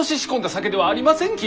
酒ではありませんき！